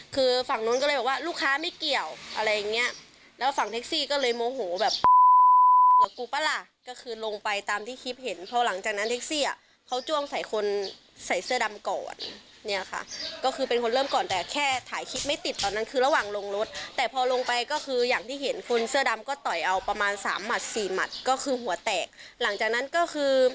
คือฝั่งโน้นก็เลยว่าลูกค้าไม่เกี่ยวอะไรอย่างเงี้ยแล้วฝั่งเท็กซี่ก็เลยโมโหแบบกูปะล่ะก็คือลงไปตามที่คลิปเห็นเพราะหลังจากนั้นเท็กซี่อ่ะเขาจ้วงใส่คนใส่เสื้อดำก่อนเนี่ยค่ะก็คือเป็นคนเริ่มก่อนแต่แค่ถ่ายคลิปไม่ติดตอนนั้นคือระหว่างลงรถแต่พอลงไปก็คืออย่างที่เห็นคนเสื้อดำก็ต่อยเอ